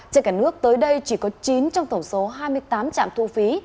trên cả nước tới đây chỉ có chín trong tổng số hai mươi tám trạm thu phí